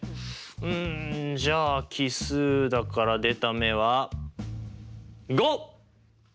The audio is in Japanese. うんじゃあ奇数だから出た目は５！